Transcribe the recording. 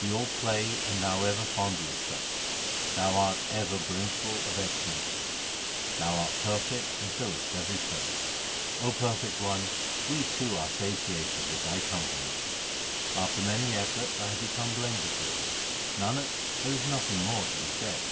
We all play and Thou ever fondlest us : Thou art ever brimful of excellences. Thou art perfect and fillest every place : O Perfect One, we too are satiated with Thy company. After many efforts I have become blended with Thee ; Nanak, there is nothing more to be said.